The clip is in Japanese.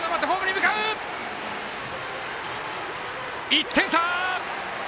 １点差！